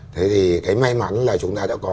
thế thì cái may mắn là chúng ta đã có